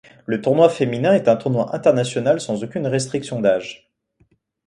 Le tournoi féminin est un tournoi international sans aucune restriction d'âge.